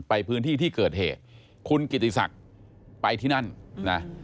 ไปพื้นที่ที่เกิดเหตุคุณกิติศักดิ์ไปที่นั่นนะ